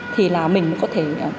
thì là mình có thể